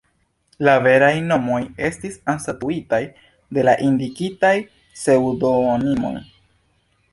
La veraj nomoj estis anstataŭitaj de la indikitaj pseŭdonimoj.